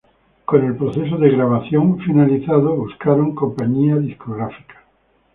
Con el proceso de grabación finalizado, buscaron compañía discográfica.